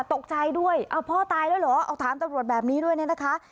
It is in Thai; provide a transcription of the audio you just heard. ตกใจด้วยเอาพ่อตายแล้วเหรอเอาถามตำรวจแบบนี้ด้วยเนี่ยนะคะ